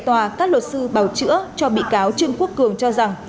tại tòa các luật sư bảo chữa cho bị cáo trương quốc cường cho rằng